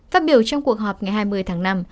phát biểu trong cuộc họp ngày hai mươi tháng năm